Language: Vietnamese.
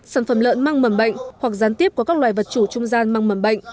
sản phẩm lợn mang mầm bệnh hoặc gián tiếp qua các loài vật chủ trung gian mang mầm bệnh